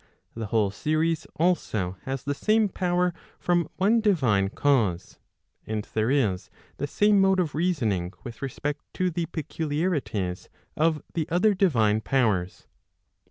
The whole series also has the same power from one divine cause. And there is the same mode of reasoning with respect to the peculiarities of the other divine powers.